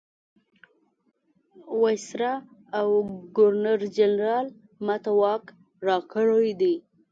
وایسرا او ګورنرجنرال ما ته واک راکړی دی.